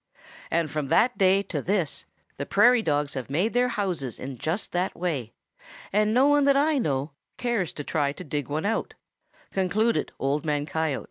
"And from that day to this the Prairie Dogs have made their houses in just that way, and no one that I know cares to try to dig one out," concluded Old Man Coyote.